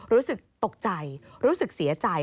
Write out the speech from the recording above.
รู้สึกตกใจรู้สึกเสียใจ